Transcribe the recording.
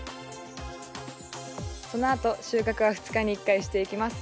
そのあと収穫は２日に１回していきます。